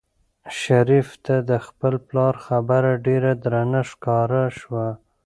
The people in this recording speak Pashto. شریف ته د خپل پلار خبره ډېره درنه ښکاره شوه.